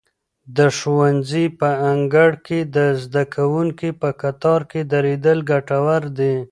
د ښوونځي په انګړ کې د زده کوونکو په کتار کې درېدل ګټور دي.